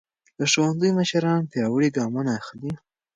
د ښوونځي مشران پیاوړي ګامونه اخلي.